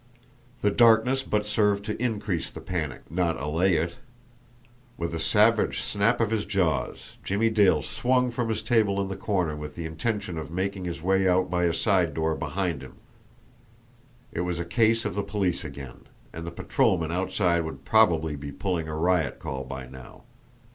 The darkness but served to increase the panic, not allay it. With a savage snap of his jaws, Jimmie Dale swung from his table in the corner with the intention of making his way out by a side door behind him it was a case of the police again, and the patrolman outside would probably be pulling a riot call by now.